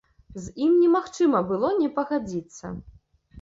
З ім немагчыма было не пагадзіцца.